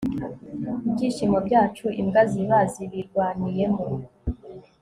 ibyishimo byacu imbwa ziba zibirwaniyemo